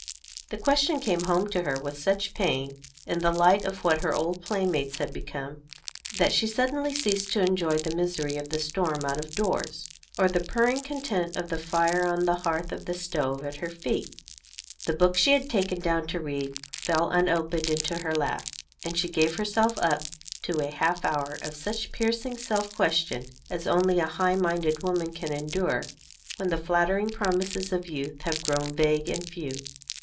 The question came home to her with such pain, in the light of what her old playmates had become, that she suddenly ceased to enjoy the misery of the storm out of doors, or the purring content of the fire on the hearth of the stove at her feet; the book she had taken down to read fell unopened into her lap, and she gave herself up to a half hour of such piercing self question as only a high minded woman can endure when the flattering promises of youth have grown vague and few.